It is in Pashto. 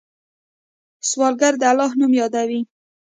سوالګر د الله نوم یادوي